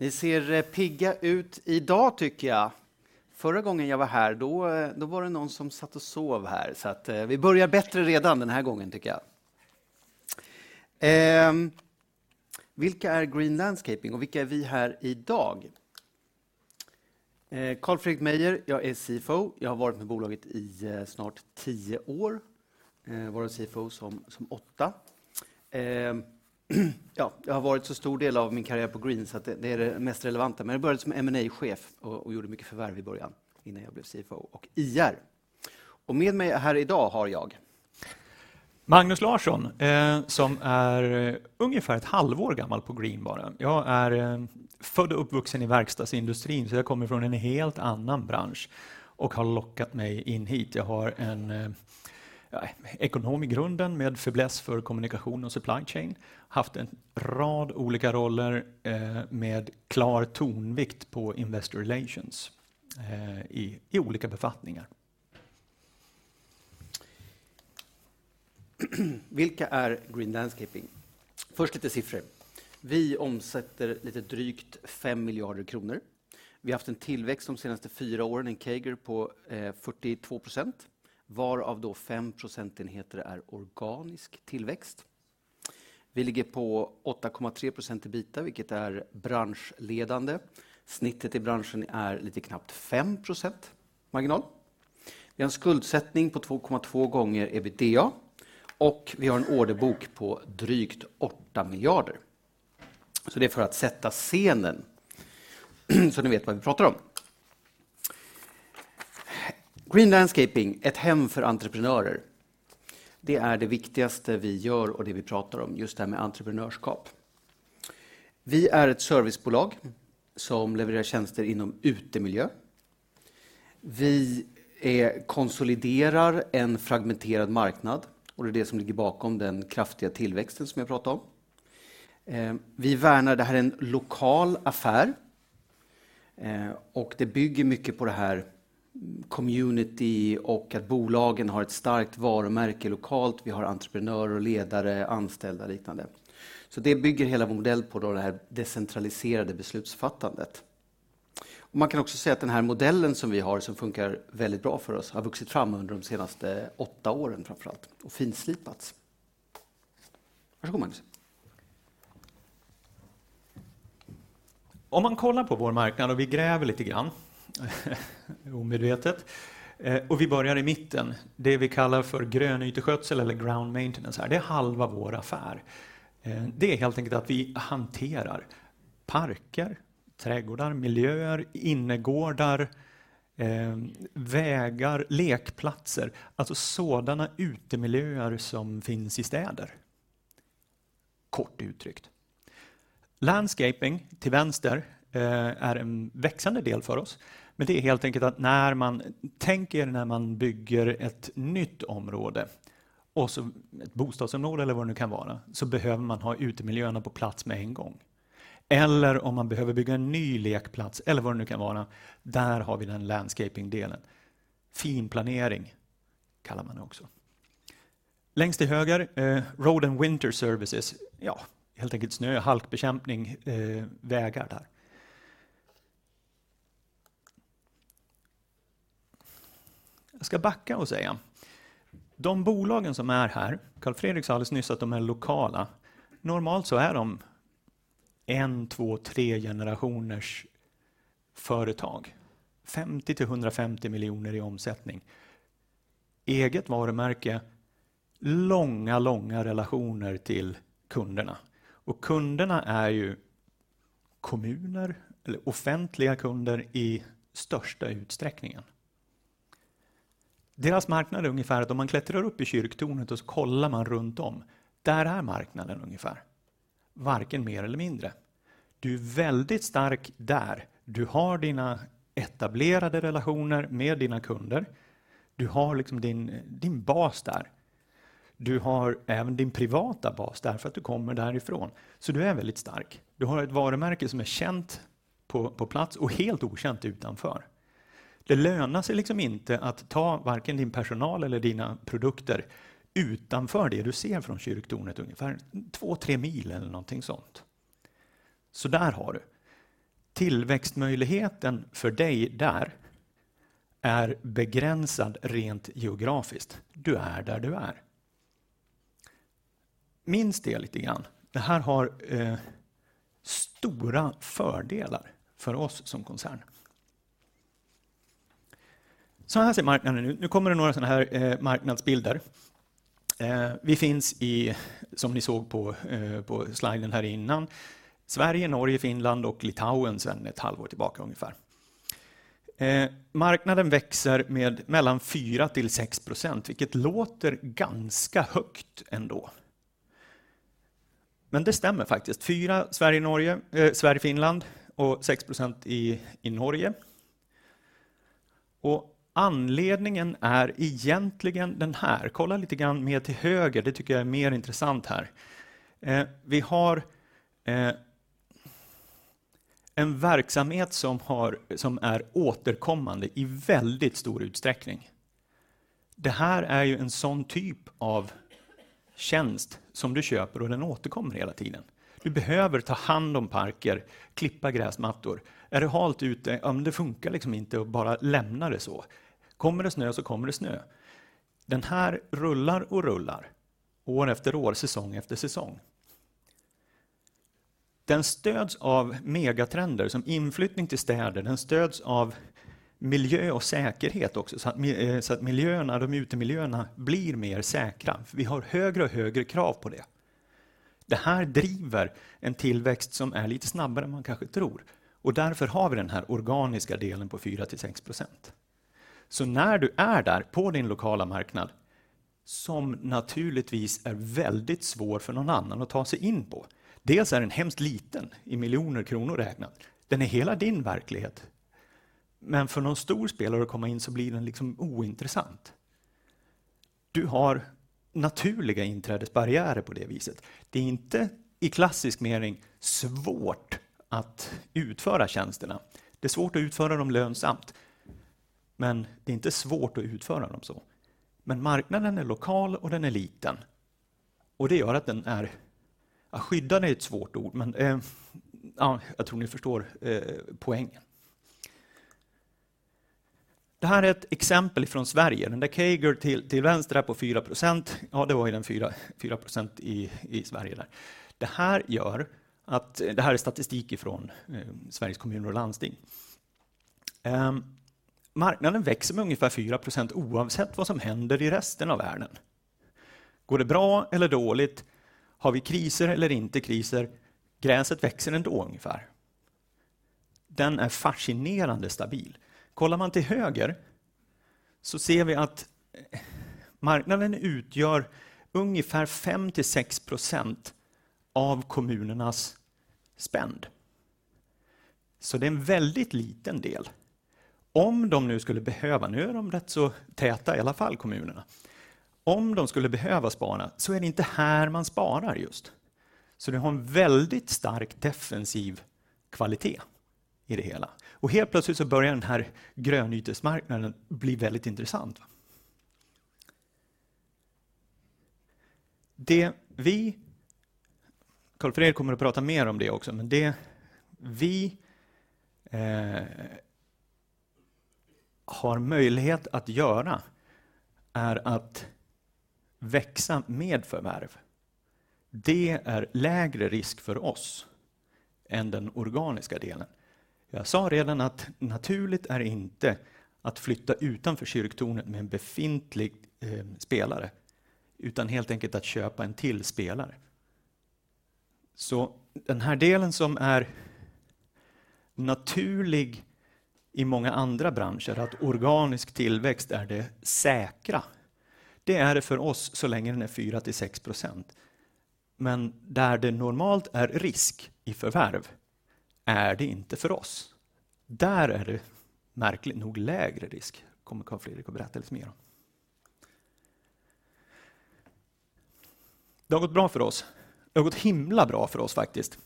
Ni ser pigga ut i dag tycker jag. Förra gången jag var här, då var det någon som satt och sov här. Vi börjar bättre redan den här gången tycker jag. Vilka är Green Landscaping och vilka är vi här i dag? Carl-Fredrik Meijer, jag är CFO. Jag har varit med bolaget i snart 10 år, varav CFO som eight. Jag har varit så stor del av min karriär på Green så att det är det mest relevanta. Jag började som M&A-chef och gjorde mycket förvärv i början innan jag blev CFO och IR. Med mig här i dag har jag- Magnus Larsson, som är ungefär ett halvår gammal på Green bara. Jag är född och uppvuxen i verkstadsindustrin. Jag kommer från en helt annan bransch och har lockat mig in hit. Jag har en ekonom i grunden med fäbless för kommunikation och supply chain. Haft en rad olika roller med klar tonvikt på investor relations i olika befattningar. Vilka är Green Landscaping? Först lite siffror. Vi omsätter lite drygt 5 billion kronor. Vi har haft en tillväxt de senaste fyra åren, en CAGR på 42%, varav då 5 percentage points är organisk tillväxt. Vi ligger på 8.3% EBITDA, vilket är branschledande. Snittet i branschen är lite nearly 5% margin. Vi har en skuldsättning på 2.2x EBITDA och vi har en orderbok på drygt 8 billion. Det är för att sätta scenen så ni vet vad vi pratar om. Green Landscaping, ett hem för entreprenörer. Det är det viktigaste vi gör och det vi pratar om, just det här med entreprenörskap. Vi är ett servicebolag som levererar tjänster inom utemiljö. Vi konsoliderar en fragmenterad marknad och det är det som ligger bakom den kraftiga tillväxten som jag pratar om. Det här är en lokal affär och det bygger mycket på det här community och att bolagen har ett starkt varumärke lokalt. Vi har entreprenörer, ledare, anställda och liknande. Det bygger hela vår modell på det här decentraliserade beslutsfattandet. Man kan också säga att den här modellen som vi har, som funkar väldigt bra för oss, har vuxit fram under de senaste åtta åren framför allt och finslipats. Varsågod Magnus. Om man kollar på vår marknad och vi gräver lite grann, omedvetet, och vi börjar i mitten. Det vi kallar för grönyteskötsel eller ground maintenance, det är halva vår affär. Det är helt enkelt att vi hanterar parker, trädgårdar, miljöer, innergårdar, vägar, lekplatser, alltså sådana utemiljöer som finns i städer. Kort uttryckt. Landscaping till vänster är en växande del för oss. Det är helt enkelt att tänk er när man bygger ett nytt område ett bostadsområde eller vad det nu kan vara, så behöver man ha utemiljöerna på plats med en gång. Om man behöver bygga en ny lekplats eller vad det nu kan vara. Där har vi den landscaping-delen. Finplanering kallar man det också. Längst till höger, road and winter services. Helt enkelt snö, halkbekämpning, vägar där. Jag ska backa och säga: de bolagen som är här, Carl-Fredrik sa alldeles nyss att de är lokala. Normalt så är de 1, 2, 3 generationers företag, 50 million-150 million i omsättning. Eget varumärke, långa relationer till kunderna. Kunderna är ju kommuner eller offentliga kunder i största utsträckningen. Deras marknad är ungefär att om man klättrar upp i kyrktornet och så kollar man runt om, där är marknaden ungefär. Varken mer eller mindre. Du är väldigt stark där. Du har dina etablerade relationer med dina kunder. Du har liksom din bas där. Du har även din privata bas där för att du kommer därifrån. Du är väldigt stark. Du har ett varumärke som är känt på plats och helt okänt utanför. Det lönar sig liksom inte att ta varken din personal eller dina produkter utanför det du ser från kyrktornet, ungefär två, tre mil eller någonting sånt. Där har du. Tillväxtmöjligheten för dig där är begränsad rent geografiskt. Du är där du är. Minns det lite grann. Det här har stora fördelar för oss som koncern. Här ser marknaden ut. Nu kommer det några sådana här marknadsbilder. Vi finns i, som ni såg på sliden här innan, Sverige, Norge, Finland och Litauen sedan ett halvår tillbaka ungefär. Marknaden växer med mellan 4-6%, vilket låter ganska högt ändå. Det stämmer faktiskt. 4% Sverige, Finland och 6% i Norge. Anledningen är egentligen den här. Kolla lite grann mer till höger, det tycker jag är mer intressant här. Vi har en verksamhet som är återkommande i väldigt stor utsträckning. Det här är ju en sådan typ av tjänst som du köper och den återkommer hela tiden. Du behöver ta hand om parker, klippa gräsmattor. Är det halt ute? Det funkar liksom inte att bara lämna det så. Kommer det snö så kommer det snö. Den här rullar och rullar år efter år, säsong efter säsong. Den stöds av megatrender som inflyttning till städer. Den stöds av miljö och säkerhet också. Miljöerna, de utemiljöerna blir mer säkra. Vi har högre och högre krav på det. Det här driver en tillväxt som är lite snabbare än man kanske tror. Därför har vi den här organiska delen på 4%-6%. När du är där på din lokala marknad, som naturligtvis är väldigt svår för någon annan att ta sig in på. Dels är den hemskt liten i million kronor räknat. Den är hela din verklighet. För någon stor spelare att komma in så blir den liksom ointressant. Du har naturliga inträdesbarriärer på det viset. Det är inte i klassisk mening svårt att utföra tjänsterna. Det är svårt att utföra dem lönsamt, men det är inte svårt att utföra dem så. Marknaden är lokal och den är liten och det gör att den är, ja skyddad är ett svårt ord, men jag tror ni förstår poängen. Det här är ett exempel från Sverige. Den där CAGR till vänster på 4%, ja, det var ju den 4% i Sverige där. Det här är statistik ifrån Sveriges Kommuner och Regioner. Marknaden växer med ungefär 4% oavsett vad som händer i resten av världen. Går det bra eller dåligt? Har vi kriser eller inte kriser? Gräset växer ändå ungefär. Den är fascinerande stabil. Kollar man till höger så ser vi att marknaden utgör ungefär 5%-6% av kommunernas spend. Det är en väldigt liten del. Om de nu skulle behöna, nu är de rätt så täta i alla fall kommunerna. Om de skulle behöva spara så är det inte här man sparar just. Du har en väldigt stark defensiv kvalitet i det hela. Helt plötsligt så börjar den här grönytesmarknaden bli väldigt intressant. Det vi, Carl-Fredrik kommer att prata mer om det också, men det vi har möjlighet att göra är att växa med förvärv. Det är lägre risk för oss än den organiska delen. Jag sa redan att naturligt är inte att flytta utanför kyrktornet med en befintlig spelare, utan helt enkelt att köpa en till spelare. Den här delen som är naturlig i många andra branscher, att organisk tillväxt är det säkra. Det är det för oss så länge den är 4%-6%. Men där det normalt är risk i förvärv är det inte för oss. Där är det märkligt nog lägre risk, kommer Carl-Fredrik att berätta lite mer om. Det har gått bra för oss. Det har gått himla bra för oss faktiskt.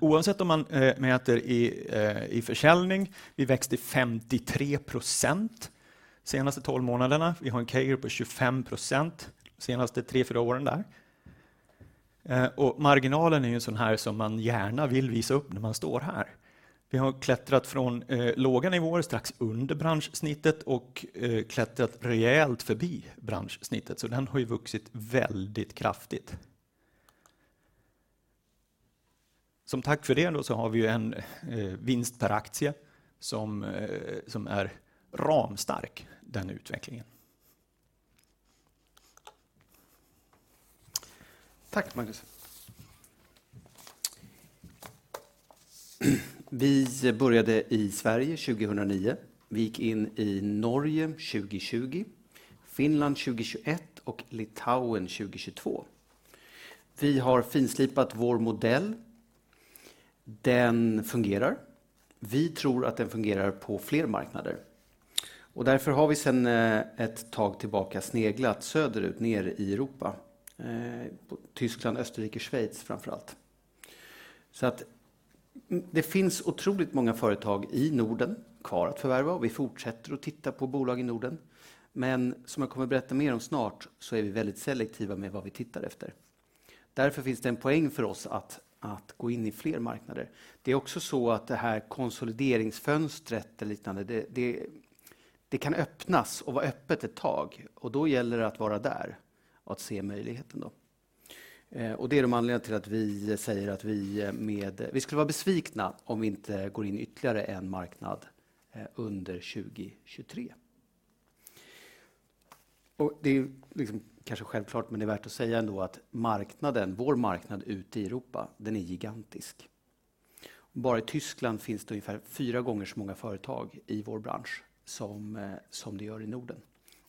Oavsett om man mäter i försäljning, vi växte 53% senaste 12 månaderna. Vi har en CAGR på 25% senaste 3, 4 åren där. Och marginalen är ju en sådan här som man gärna vill visa upp när man står här. Vi har klättrat från låga nivåer, strax under branschsnittet och klättrat rejält förbi branschsnittet. Den har ju vuxit väldigt kraftigt. Som tack för det då så har vi ju en vinst per aktie som är ramstark, den utvecklingen. Tack Magnus. Vi började i Sverige 2009. Vi gick in i Norge 2020, Finland 2021 och Litauen 2022. Vi har finslipat vår modell. Den fungerar. Vi tror att den fungerar på fler marknader. Därför har vi sedan ett tag tillbaka sneglat söderut, ner i Europa. Tyskland, Österrike, Schweiz framför allt. Det finns otroligt många företag i Norden kvar att förvärva. Vi fortsätter att titta på bolag i Norden. Som jag kommer berätta mer om snart så är vi väldigt selektiva med vad vi tittar efter. Därför finns det en poäng för oss att gå in i fler marknader. Det är också så att det här konsolideringsfönstret eller liknande, det kan öppnas och vara öppet ett tag och då gäller det att vara där och att se möjligheten då. Det är de anledningarna till att vi säger att vi skulle vara besvikna om vi inte går in i ytterligare en marknad under 2023. Det är kanske självklart, men det är värt att säga ändå att marknaden, vår marknad ute i Europa, den är gigantisk. Bara i Tyskland finns det ungefär four gånger så många företag i vår bransch som det gör i Norden.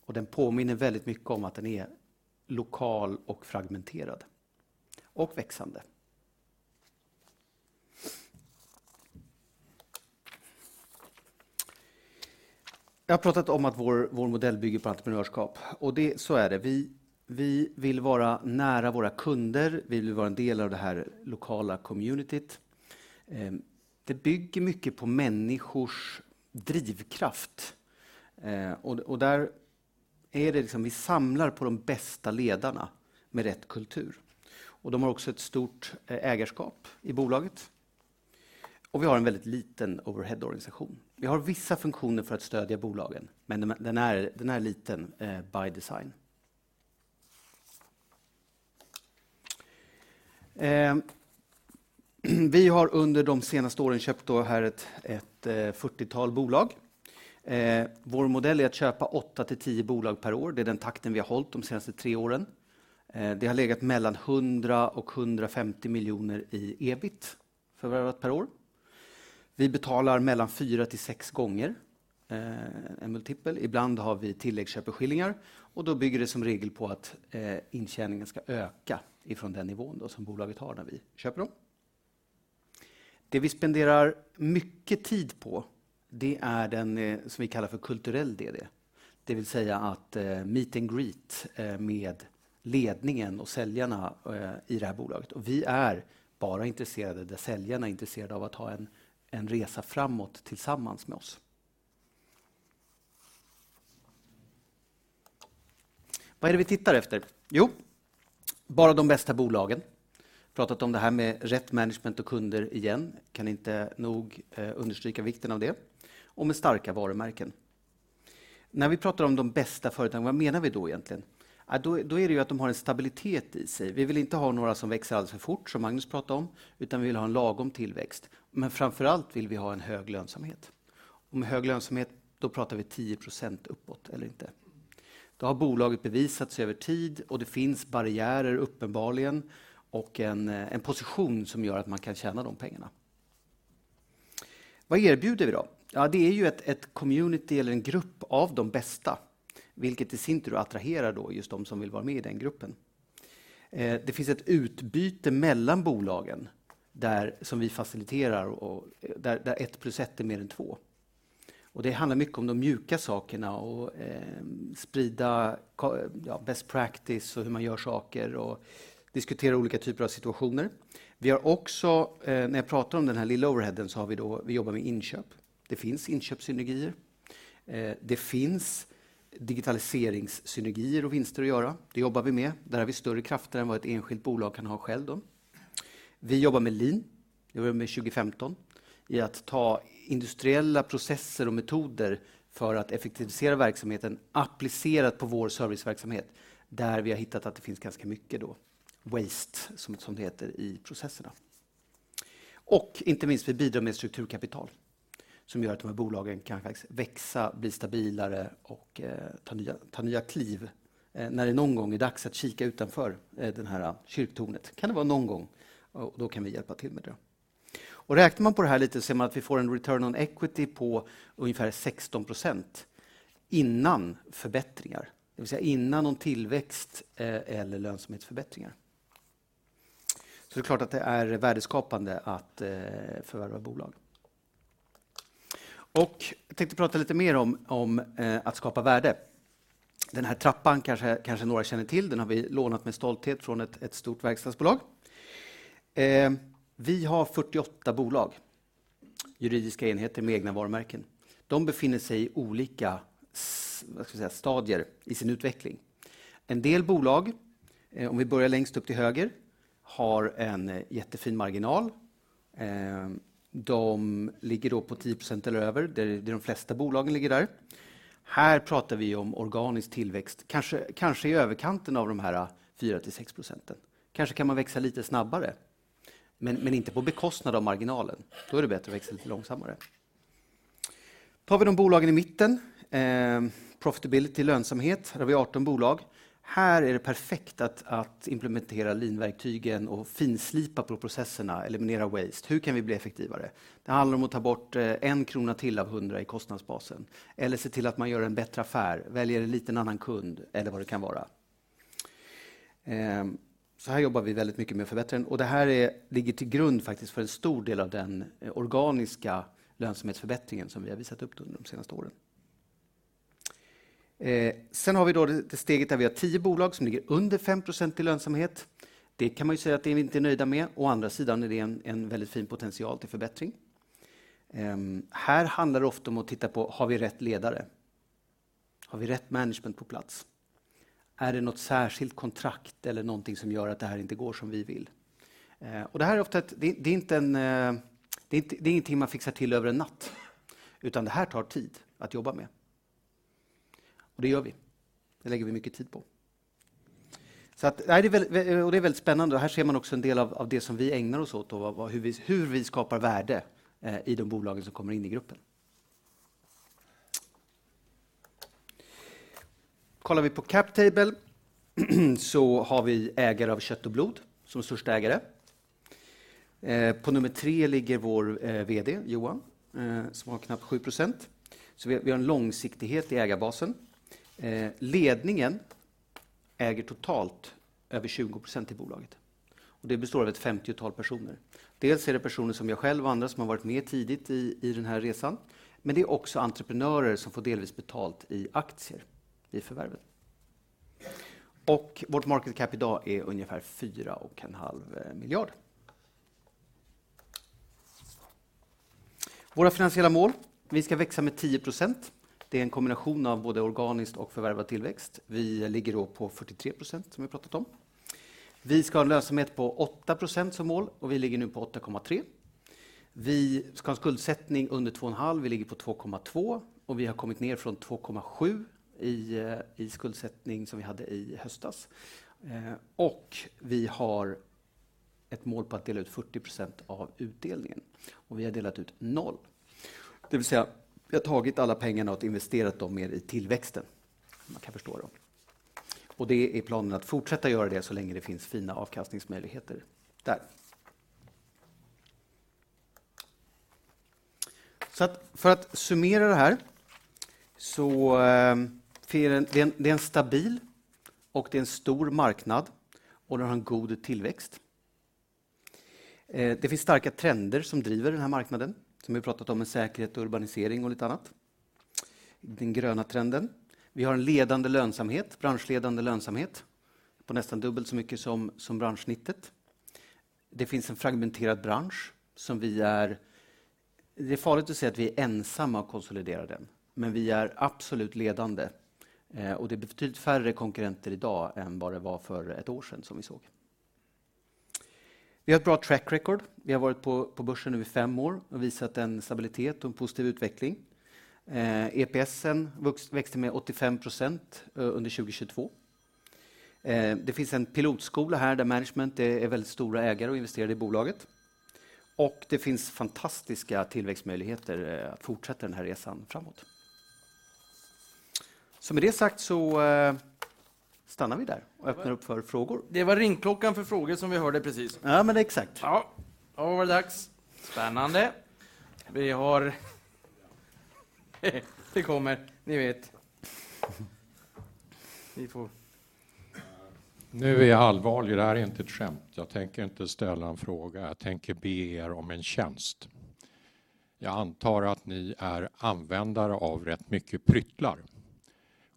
Den påminner väldigt mycket om att den är lokal och fragmenterad och växande. Jag har pratat om att vår modell bygger på entreprenörskap så är det. Vi vill vara nära våra kunder, vi vill vara en del av det här lokala communityt. Det bygger mycket på människors drivkraft och där är det liksom vi samlar på de bästa ledarna med rätt kultur. De har också ett stort ägarskap i bolaget. Vi har en väldigt liten overhead organization. Vi har vissa funktioner för att stödja bolagen, men den är liten by design. Vi har under de senaste åren köpt då här ett 40-tal bolag. Vår modell är att köpa 8-10 bolag per år. Det är den takten vi har hållit de senaste 3 åren. Det har legat mellan 100 million-150 million i EBIT förvärvat per år. Vi betalar mellan 4-6x en multipel. Ibland har vi tilläggsköpeskillingar och då bygger det som regel på att intjäningen ska öka ifrån den nivån då som bolaget har när vi köper dem. Det vi spenderar mycket tid på, det är den som vi kallar för kulturell DD. Det vill säga att meet and greet med ledningen och säljarna i det här bolaget. Vi är bara intresserade där säljarna är intresserade av att ha en resa framåt tillsammans med oss. Vad är det vi tittar efter? Jo, bara de bästa bolagen. Pratat om det här med rätt management och kunder igen. Kan inte nog understryka vikten av det. Med starka varumärken. När vi pratar om de bästa företagen, vad menar vi då egentligen? Ja, då är det ju att de har en stabilitet i sig. Vi vill inte ha några som växer alltför fort som Magnus pratade om, utan vi vill ha en lagom tillväxt. Framför allt vill vi ha en hög lönsamhet. Med hög lönsamhet, då pratar vi 10% uppåt eller inte. Då har bolaget bevisat sig över tid och det finns barriärer uppenbarligen och en position som gör att man kan tjäna de pengarna. Vad erbjuder vi då? Ja, det är ju ett community eller en grupp av de bästa, vilket i sin tur attraherar just de som vill vara med i den gruppen. Det finns ett utbyte mellan bolagen där, som vi faciliterar och där 1 plus 1 är mer än 2. Det handlar mycket om de mjuka sakerna och sprida best practice och hur man gör saker och diskutera olika typer av situationer. Vi har också, när jag pratar om den här lilla overheaden så har vi jobbar med inköp. Det finns inköpssynergier. Det finns digitaliseringssynergier och vinster att göra. Det jobbar vi med. Där har vi större krafter än vad ett enskilt bolag kan ha själv. Vi jobbar med Lean. Det gör vi med 2015 i att ta industriella processer och metoder för att effektivisera verksamheten applicerat på vår serviceverksamhet, där vi har hittat att det finns ganska mycket då waste, som det heter, i processerna. Inte minst, vi bidrar med strukturkapital som gör att de här bolagen kan växa, bli stabilare och ta nya kliv när det någon gång är dags att kika utanför den här kyrktornet. Kan det vara någon gång? Då kan vi hjälpa till med det. Räknar man på det här lite ser man att vi får en return on equity på ungefär 16% innan förbättringar, det vill säga innan någon tillväxt eller lönsamhetsförbättringar. Det är klart att det är värdeskapande att förvärva bolag. Jag tänkte prata lite mer om att skapa värde. Den här trappan kanske några känner till. Den har vi lånat med stolthet från ett stort verkstadsbolag. Vi har 48 bolag, juridiska enheter med egna varumärken. De befinner sig i olika, vad ska vi säga, stadier i sin utveckling. En del bolag, om vi börjar längst upp till höger, har en jättefin marginal. De ligger då på 10% eller över. Det är de flesta bolagen ligger där. Här pratar vi om organisk tillväxt, kanske i överkanten av de här 4%-6%. Kanske kan man växa lite snabbare, men inte på bekostnad av marginalen. Då är det bättre att växa lite långsammare. Tar vi de bolagen i mitten, profitability, lönsamhet. Där har vi 18 bolag. Här är det perfekt att implementera Lean-verktygen och finslipa på processerna, eliminera waste. Hur kan vi bli effektivare? Det handlar om att ta bort SEK 1 till av SEK 100 i kostnadsbasen. Se till att man gör en bättre affär, väljer en liten annan kund eller vad det kan vara. Här jobbar vi väldigt mycket med att förbättra den. Det här är, ligger till grund faktiskt för en stor del av den organiska lönsamhetsförbättringen som vi har visat upp de senaste åren. Har vi då det steget där vi har 10 bolag som ligger under 5% i lönsamhet. Det kan man ju säga att det är vi inte nöjda med. Å andra sidan är det en väldigt fin potential till förbättring. Här handlar det ofta om att titta på: Har vi rätt ledare? Har vi rätt management på plats? Är det något särskilt kontrakt eller någonting som gör att det här inte går som vi vill? Det här är ofta ett. Det är inte en, det är ingenting man fixar till över en natt, utan det här tar tid att jobba med. Det gör vi. Det lägger vi mycket tid på. Nej, det är väldigt, och det är väldigt spännande. Här ser man också en del av det som vi ägnar oss åt då, och hur vi skapar värde i de bolagen som kommer in i gruppen. Kollar vi på cap table så har vi ägare av kött och blod som största ägare. På nummer tre ligger vår VD Johan, som har knappt 7%. Vi har en långsiktighet i ägarbasen. Ledningen äger totalt över 20% i bolaget. Det består av ett 50-tal personer. Dels är det personer som jag själv och andra som har varit med tidigt i den här resan, men det är också entreprenörer som får delvis betalt i aktier vid förvärven. Vårt market cap i dag är ungefär 4.5 billion. Våra finansiella mål: Vi ska växa med 10%. Det är en kombination av både organiskt och förvärvad tillväxt. Vi ligger då på 43% som vi pratat om. Vi ska ha en lönsamhet på 8% som mål och vi ligger nu på 8.3%. Vi ska ha en skuldsättning under 2.5. Vi ligger på 2.2 och vi har kommit ner från 2.7 i skuldsättning som vi hade i höstas. Vi har ett mål på att dela ut 40% av utdelningen och vi har delat ut 0. Det vill säga, vi har tagit alla pengarna och investerat dem mer i tillväxten. Man kan förstå då. Och det är planen att fortsätta göra det så länge det finns fina avkastningsmöjligheter där. Så att för att summera det här så, det är en, det är en stabil och det är en stor marknad och den har en god tillväxt. Eh, det finns starka trender som driver den här marknaden. Som vi pratat om med säkerhet och urbanisering och lite annat. Den gröna trenden. Vi har en ledande lönsamhet, branschledande lönsamhet, på nästan dubbelt så mycket som, som branschsnittet. Det finns en fragmenterad bransch som vi är... Det är farligt att säga att vi är ensamma att konsolidera den, men vi är absolut ledande. Och det är betydligt färre konkurrenter i dag än vad det var för ett år sedan som vi såg. Vi har ett bra track record. Vi har varit på börsen nu i 5 år och visat en stabilitet och en positiv utveckling. EPSen växte med 85% under 2022. Det finns en pilotskola här där management är väldigt stora ägare och investerade i bolaget. Det finns fantastiska tillväxtmöjligheter att fortsätta den här resan framåt. Med det sagt så stannar vi där och öppnar upp för frågor. Det var ringklockan för frågor som vi hörde precis. Ja, men exakt. Ja, då var det dags. Spännande. Vi har... Det kommer, ni vet. Ni får. Nu är jag allvarlig, det här är inte ett skämt. Jag tänker inte ställa en fråga. Jag tänker be er om en tjänst. Jag antar att ni är användare av rätt mycket pryttlar.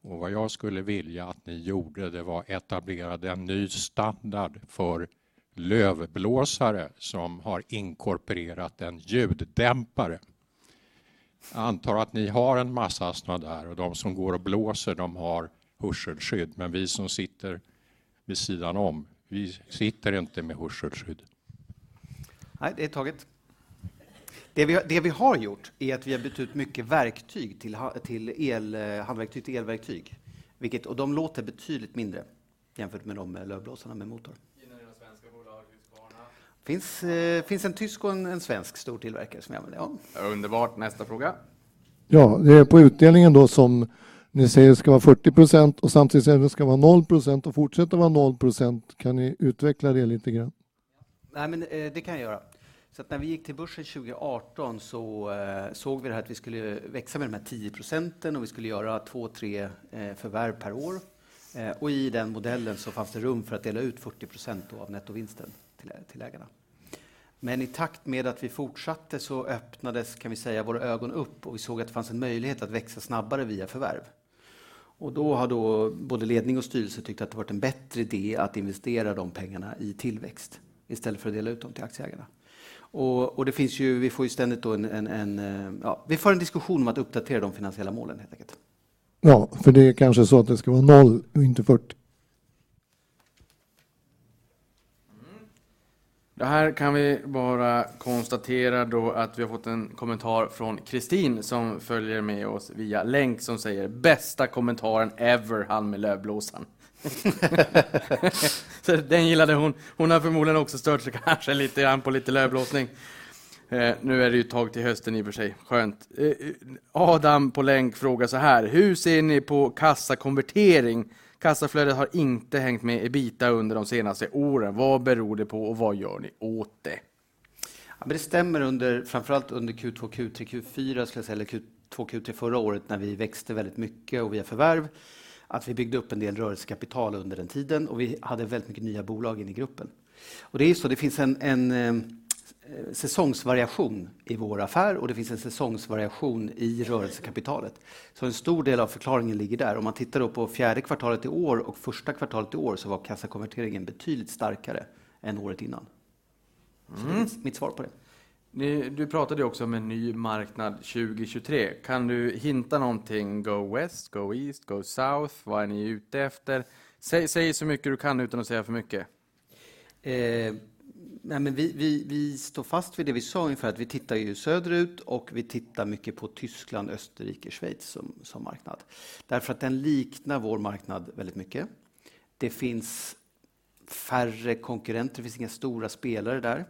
Vad jag skulle vilja att ni gjorde, det var etablerade en ny standard för lövblåsare som har inkorporerat en ljuddämpare. Jag antar att ni har en massa sådana där och de som går och blåser, de har hörselskydd. Vi som sitter vid sidan om, vi sitter inte med hörselskydd. Det är taget. Det vi har gjort är att vi har bytt ut mycket verktyg till handverktyg till elverktyg, vilket, och de låter betydligt mindre jämfört med de lövblåsarna med motor. Gillar ni några svenska bolag? Husqvarna? Finns en tysk och en svensk stor tillverkare som jag använder. Underbart. Nästa fråga. Det är på utdelningen då som ni säger ska vara 40% och samtidigt säger ni att det ska vara 0% och fortsätta vara 0%. Kan ni utveckla det lite grann? Nej, men det kan jag göra. När vi gick till börsen 2018 så såg vi det här att vi skulle växa med de här 10% och vi skulle göra 2, 3 förvärv per år. I den modellen så fanns det rum för att dela ut 40% då av nettovinsten till ägarna. I takt med att vi fortsatte så öppnades, kan vi säga, våra ögon upp och vi såg att det fanns en möjlighet att växa snabbare via förvärv. Då har då både ledning och styrelse tyckt att det varit en bättre idé att investera de pengarna i tillväxt istället för att dela ut dem till aktieägarna. Det finns ju, vi får ju ständigt då vi får en diskussion om att uppdatera de finansiella målen helt enkelt. Ja, för det är kanske så att det ska vara 0 och inte 40. Det här kan vi bara konstatera då att vi har fått en kommentar från Kristin som följer med oss via länk som säger: "Bästa kommentaren ever, han med lövblåsaren." Den gillade hon. Hon har förmodligen också stört sig kanske lite grann på lite lövblåsning. Nu är det ju ett tag till hösten i och för sig. Skönt. Adam på länk frågar såhär: "Hur ser ni på kassakonvertering? Kassaflödet har inte hängt med EBITDA under de senaste åren. Vad beror det på och vad gör ni åt det? Det stämmer under, framför allt under Q2, Q3, Q4 skulle jag säga, eller Q2, Q3 förra året när vi växte väldigt mycket och via förvärv, att vi byggde upp en del rörelsekapital under den tiden och vi hade väldigt mycket nya bolag in i gruppen. Det är så, det finns en säsongsvariation i vår affär och det finns en säsongsvariation i rörelsekapitalet. En stor del av förklaringen ligger där. Man tittar då på fjärde kvartalet i år och första kvartalet i år så var kassakonverteringen betydligt starkare än året innan. Det är mitt svar på det. Du pratade ju också om en ny marknad 2023. Kan du hinta någonting? Go west, go east, go south? Vad är ni ute efter? Säg, säg så mycket du kan utan att säga för mycket. Vi står fast vid det vi sa ungefär att vi tittar ju söderut och vi tittar mycket på Tyskland, Österrike, Schweiz som marknad. Därför att den liknar vår marknad väldigt mycket. Det finns färre konkurrenter, det finns inga stora spelare där,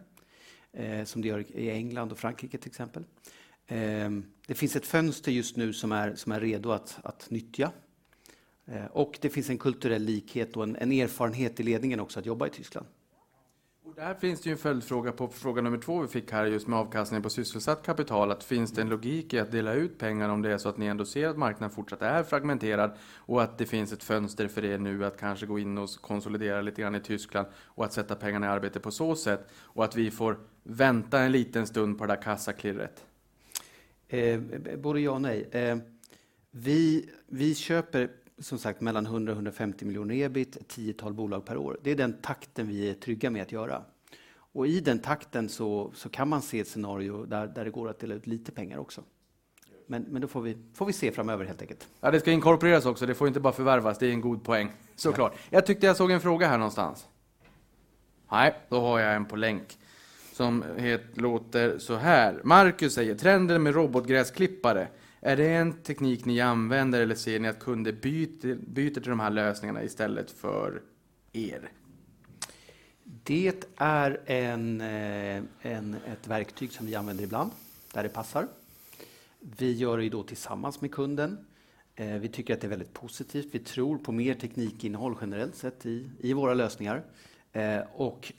som det gör i England och Frankrike till exempel. Det finns ett fönster just nu som är redo att nyttja. Det finns en kulturell likhet och en erfarenhet i ledningen också att jobba i Tyskland. Där finns det ju en följdfråga på fråga nummer 2 vi fick här just med avkastningen på sysselsatt kapital. Att finns det en logik i att dela ut pengar om det är så att ni ändå ser att marknaden fortsatt är fragmenterad och att det finns ett fönster för er nu att kanske gå in och konsolidera lite grann i Tyskland och att sätta pengarna i arbete på så sätt, och att vi får vänta en liten stund på det där kassaklirret? Både ja och nej. Vi köper som sagt mellan 100 million-150 million EBIT, 10 bolag per år. Det är den takten vi är trygga med att göra. I den takten så kan man se ett scenario där det går att dela ut lite pengar också. Det får vi se framöver helt enkelt. Det ska inkorporeras också. Det får inte bara förvärvas. Det är en god poäng. Såklart. Jag tyckte jag såg en fråga här någonstans. Då har jag en på länk som låter såhär. Marcus säger: Trenden med robotgräsklippare, är det en teknik ni använder? Ser ni att kunder byter till de här lösningarna istället för er? Det är en, ett verktyg som vi använder ibland där det passar. Vi gör det då tillsammans med kunden. Vi tycker att det är väldigt positivt. Vi tror på mer teknikinnehåll generellt sett i våra lösningar. Och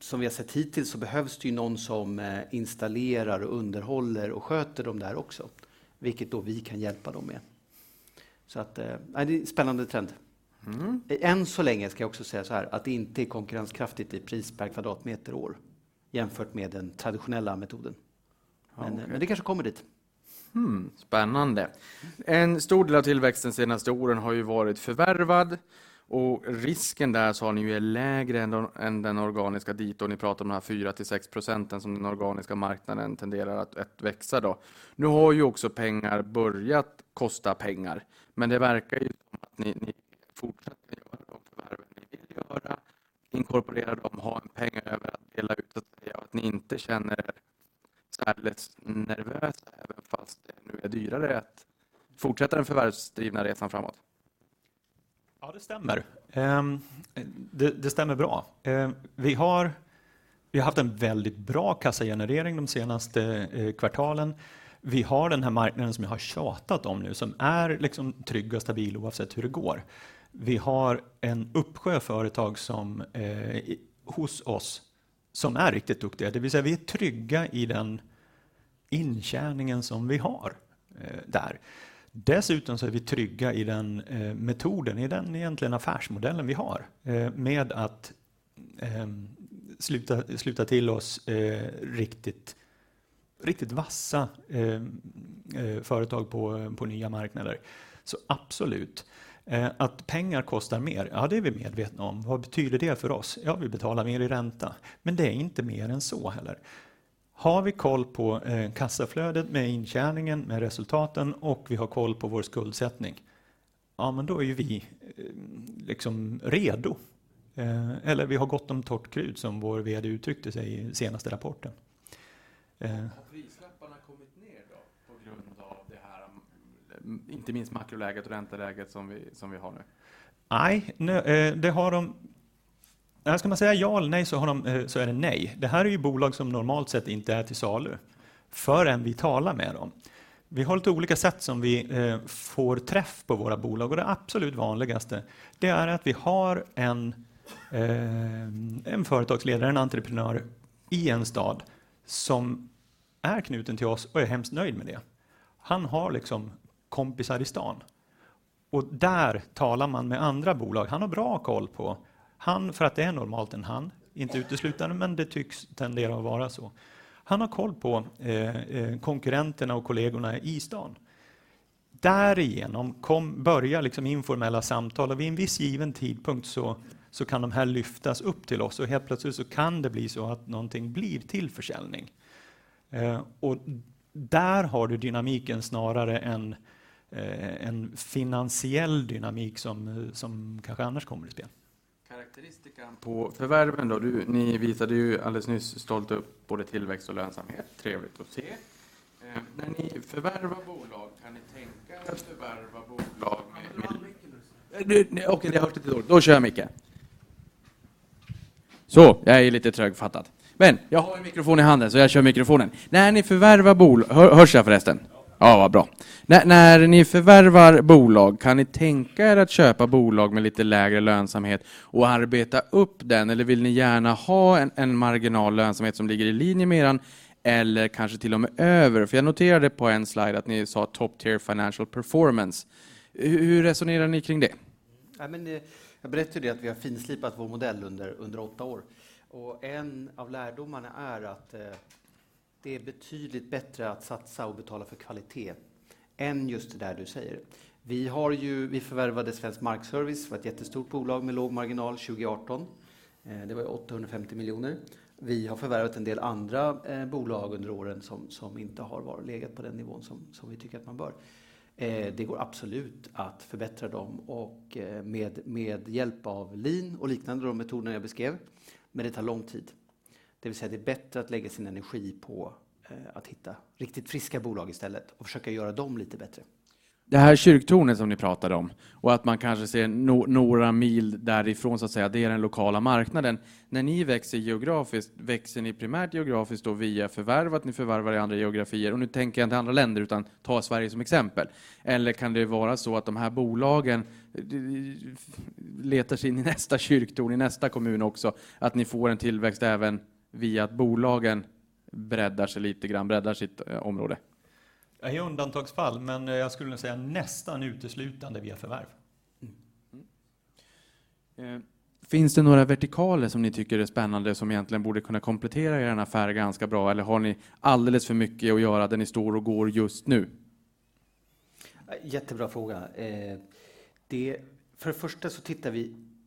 som vi har sett hittills så behövs det ju någon som installerar och underhåller och sköter de där också, vilket då vi kan hjälpa dem med. Så att nej, det är en spännande trend. Än så länge ska jag också säga såhär att det inte är konkurrenskraftigt i pris per kvadratmeter och år jämfört med den traditionella metoden. Men det kanske kommer dit. Spännande. En stor del av tillväxten senaste åren har ju varit förvärvad och risken där sa ni ju är lägre än den organiska dit. Ni pratar om de här 4-6% som den organiska marknaden tenderar att växa då. Nu har ju också pengar börjat kosta pengar, men det verkar ju som att ni fortsätter göra de förvärven ni vill göra, inkorporera dem, ha en peng över att dela ut och sådär. Att ni inte känner er särskilt nervösa även fast det nu är dyrare att fortsätta den förvärvsdrivna resan framåt. Det stämmer. Det stämmer bra. Vi har haft en väldigt bra kassagenerering de senaste kvartalen. Vi har den här marknaden som jag har tjatat om nu som är liksom trygg och stabil oavsett hur det går. Vi har en uppsjö av företag som hos oss som är riktigt duktiga. Det vill säga, vi är trygga i den intjäningen som vi har där. Dessutom så är vi trygga i den metoden, i den egentligen affärsmodellen vi har med att sluta till oss riktigt vassa företag på nya marknader. Absolut. Att pengar kostar mer, det är vi medvetna om. Vad betyder det för oss? Vi betalar mer i ränta, men det är inte mer än så heller. Har vi koll på kassaflödet med intjäningen, med resultaten och vi har koll på vår skuldsättning, då är ju vi liksom redo. vi har gott om torrt krut som vår vd uttryckte sig i senaste rapporten. Har prislapparna kommit ner då på grund av det här, inte minst makroläget och ränteläget som vi har nu? Nej, det har de. Ska man säga ja eller nej, så är det nej. Det här är ju bolag som normalt sett inte är till salu förrän vi talar med dem. Vi har lite olika sätt som vi får träff på våra bolag och det absolut vanligaste, det är att vi har en företagsledare, en entreprenör i en stad som är knuten till oss och är hemskt nöjd med det. Han har liksom kompisar i stan och där talar man med andra bolag. Han har bra koll på, han för att det är normalt en han, inte uteslutande, men det tycks tendera att vara så. Han har koll på konkurrenterna och kollegorna i stan. Börjar liksom informella samtal och vid en viss given tidpunkt så kan de här lyftas upp till oss och helt plötsligt så kan det bli så att någonting blir till försäljning. Där har du dynamiken snarare än en finansiell dynamik som kanske annars kommer i spel. Karaktäristikan på förvärven då? Du, ni visade ju alldeles nyss stolt upp både tillväxt och lönsamhet. Trevligt att se. När ni förvärvar bolag, kan ni tänka er att förvärva bolag med? Okej, jag hörs inte så dåligt. Jag kör micken. Jag är lite trögfattad. Jag har en mikrofon i handen så jag kör mikrofonen. När ni förvärvar bolag? Hörs jag förresten? Vad bra. När ni förvärvar bolag, kan ni tänka er att köpa bolag med lite lägre lönsamhet och arbeta upp den? Vill ni gärna ha en marginal lönsamhet som ligger i linje med er eller kanske till och med över? Jag noterade på en slide att ni sa top tier financial performance. Hur resonerar ni kring det? Jag berätta det att vi har finslipat vår modell under 8 år. En av lärdomarna är att det är betydligt bättre att satsa och betala för kvalitet än just det där du säger. Vi har, vi förvärvade Svensk Markservice. Det var ett jättestort bolag med låg marginal 2018. Det var 850 million. Vi har förvärvat en del andra bolag under åren som inte har legat på den nivån som vi tycker att man bör. Det går absolut att förbättra dem och med hjälp av Lean och liknande de metoderna jag beskrev, det tar lång tid. Det vill säga, det är bättre att lägga sin energi på att hitta riktigt friska bolag istället och försöka göra dem lite bättre. Det här kyrktornet som ni pratade om och att man kanske ser några mil därifrån så att säga, det är den lokala marknaden. När ni växer geografiskt, växer ni primärt geografiskt då via förvärv? Att ni förvärvar i andra geografier? Nu tänker jag inte andra länder, utan ta Sverige som exempel. Kan det vara så att de här bolagen letar sig in i nästa kyrktorn, i nästa kommun också? Att ni får en tillväxt även via att bolagen breddar sig lite grann, breddar sitt område? I undantagsfall, men jag skulle nog säga nästan uteslutande via förvärv. Finns det några vertikaler som ni tycker är spännande som egentligen borde kunna komplettera er affär ganska bra? Har ni alldeles för mycket att göra där ni står och går just nu? Jättebra fråga. Vi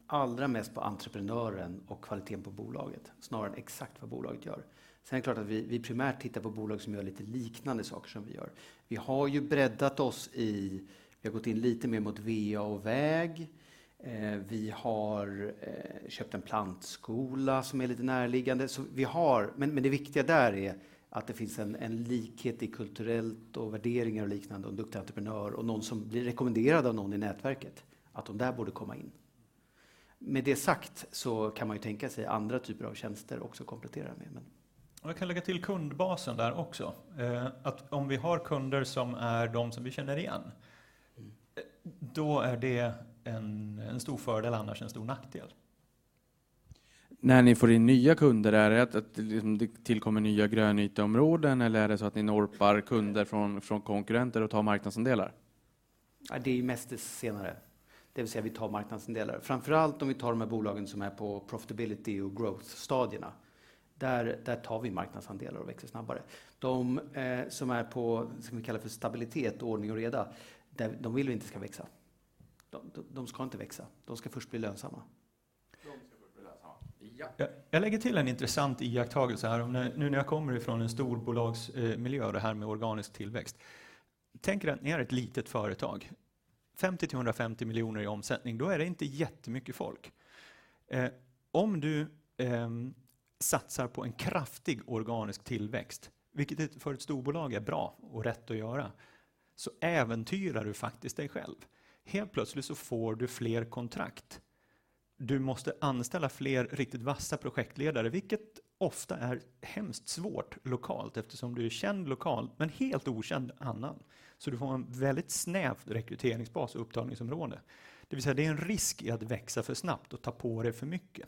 tittar allra mest på entreprenören och kvaliteten på bolaget, snarare än exakt vad bolaget gör. Vi primärt tittar på bolag som gör lite liknande saker som vi gör. Vi har ju breddat oss, vi har gått in lite mer mot VA och väg. Vi har köpt en plantskola som är lite närliggande. Det viktiga där är att det finns en likhet i kulturellt och värderingar och liknande. En duktig entreprenör och någon som blir rekommenderad av någon i nätverket. De där borde komma in. Med det sagt kan man ju tänka sig andra typer av tjänster också komplettera med. Jag kan lägga till kundbasen där också. Om vi har kunder som är de som vi känner igen, då är det en stor fördel annars en stor nackdel. När ni får in nya kunder, är det att det tillkommer nya grönyteområden? Eller är det så att ni norpar kunder från konkurrenter och tar marknadsandelar? Det är mest det senare. Det vill säga vi tar marknadsandelar. Framför allt om vi tar de här bolagen som är på profitability och growth-stadierna. Där tar vi marknadsandelar och växer snabbare. De som är på det som vi kallar för stabilitet och ordning och reda. De vill vi inte ska växa. De ska inte växa. De ska först bli lönsamma. Jag lägger till en intressant iakttagelse här. Jag kommer ifrån en storbolagsmiljö och det här med organisk tillväxt. Tänk er att ni är ett litet företag, 50 million-150 million i omsättning. Det är inte jättemycket folk. Om du satsar på en kraftig organisk tillväxt, vilket för ett storbolag är bra och rätt att göra, äventyrar du faktiskt dig själv. Helt plötsligt får du fler kontrakt. Du måste anställa fler riktigt vassa projektledare, vilket ofta är hemskt svårt lokalt eftersom du är känd lokalt men helt okänd annan. Du får en väldigt snäv rekryteringsbas och upptagningsområde. Det vill säga, det är en risk i att växa för snabbt och ta på dig för mycket.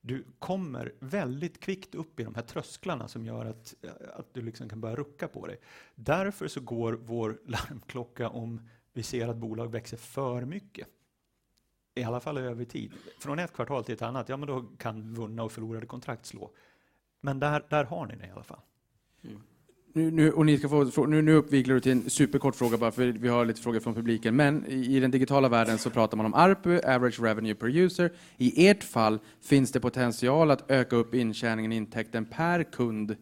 Du kommer väldigt kvickt upp i de här trösklarna som gör att du liksom kan börja rucka på dig. Därför går vår larmklocka om vi ser att bolag växer för mycket, i alla fall över tid. Från ett kvartal till ett annat, ja men då kan vunna och förlorade kontrakt slå. Där, där har ni det i alla fall. Nu och ni ska få. Nu uppviglar du till en superkort fråga bara för vi har lite frågor från publiken. I den digitala världen så pratar man om ARPU, average revenue per user. I ert fall, finns det potential att öka upp intjäningen, intäkten per kund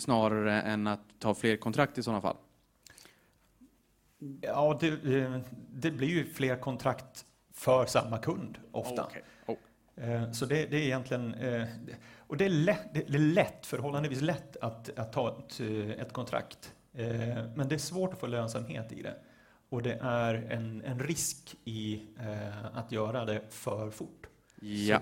snarare än att ta fler kontrakt i sådana fall? Ja, det blir ju fler kontrakt för samma kund ofta. Det är egentligen. Det är lätt, förhållandevis lätt att ta ett kontrakt. Det är svårt att få lönsamhet i det och det är en risk i att göra det för fort.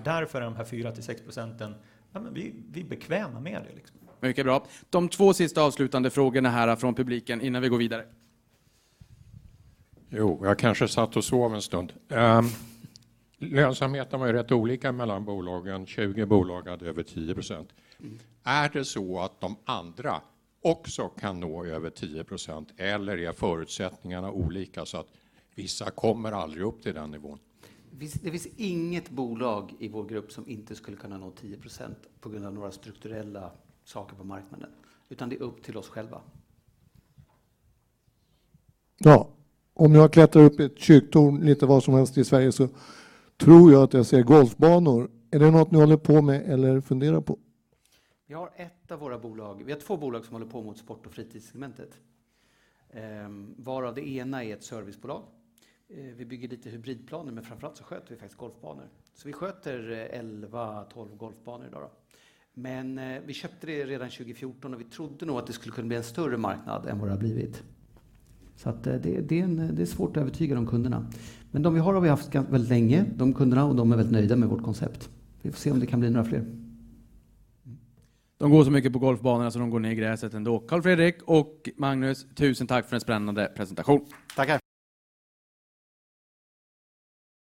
Därför den här 4%-6%. Ja vi är bekväma med det. Mycket bra. De 2 sista avslutande frågorna här från publiken innan vi går vidare. Jag kanske satt och sov en stund. Lönsamheten var ju rätt olika mellan bolagen. 20 bolag hade över 10%. Är det så att de andra också kan nå över 10%? Är förutsättningarna olika så att vissa kommer aldrig upp till den nivån? Det finns inget bolag i vår grupp som inte skulle kunna nå 10% på grund av några strukturella saker på marknaden, utan det är upp till oss själva. Ja, om jag klättrar upp i ett kyrktorn lite var som helst i Sverige så tror jag att jag ser golfbanor. Är det något ni håller på med eller funderar på? Vi har ett av våra bolag. Vi har två bolag som håller på mot sport- och fritidsegmentet. Varav det ena är ett servicebolag. Vi bygger lite hybridplaner, framför allt så sköter vi faktiskt golfbanor. Vi sköter 11, 12 golfbanor i dag. Vi köpte det redan 2014 och vi trodde nog att det skulle kunna bli en större marknad än vad det har blivit. Att det är svårt att övertyga de kunderna. De vi har har vi haft väldigt länge, de kunderna, och de är väldigt nöjda med vårt koncept. Vi får se om det kan bli några fler. De går så mycket på golfbanorna så de går ner i gräset ändå. Carl-Fredrik och Magnus, tusen tack för en spännande presentation. Tackar!